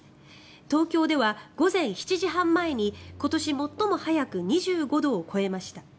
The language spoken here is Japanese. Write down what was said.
東京では午前７時半前に今年最も早く２５度を超えました。